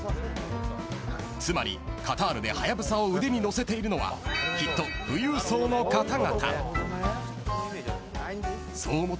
つまりカタールでハヤブサを腕にのせているのはきっと富裕層の方々。